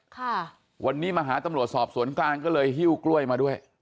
ค่ะวันนี้มาหาตำรวจสอบสวนกลางก็เลยหิ้วกล้วยมาด้วย